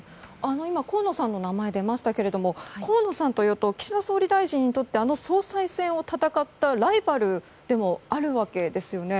河野さんの名前出ましたけれど河野さんというと岸田総理大臣にとって総裁選を戦ったライバルでもあるわけですよね。